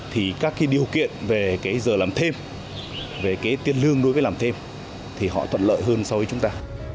thì các cái điều kiện về cái giờ làm thêm về cái tiền lương đối với làm thêm thì họ thuận lợi hơn so với chúng ta